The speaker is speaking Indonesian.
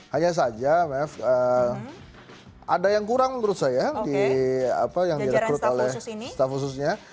hanya saja ada yang kurang menurut saya yang direkrut oleh staff khususnya